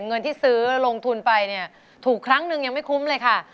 เงินที่ซื้อลงทุนไปเนี่ยถูกครั้งหนึ่งยังไม่คุ้มเลยค่ะ